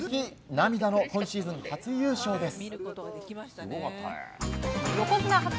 涙の今シーズン初優勝です。